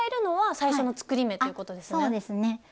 そうですね。